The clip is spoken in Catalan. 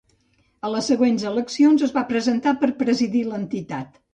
A les següents eleccions es va presentar per presidir l'entitat.